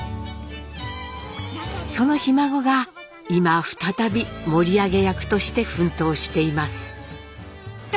そのひ孫が今再び盛り上げ役として奮闘しています。